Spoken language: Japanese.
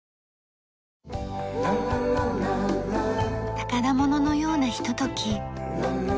宝物のようなひととき。